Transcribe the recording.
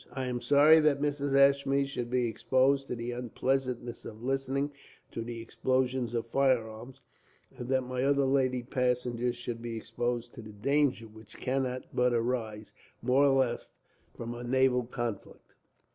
I am sorry that Mrs. Ashmead should be exposed to the unpleasantness of listening to the explosion of firearms, and that my other lady passengers should be exposed to the danger which cannot but arise, more or less, from a naval conflict.